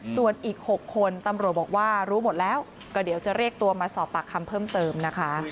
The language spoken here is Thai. ส่วนอีก๖คนตำรวจบอกว่ารู้หมดแล้วก็เดี๋ยวจะเรียกตัวมาสอบปากคำเพิ่มเติมนะคะ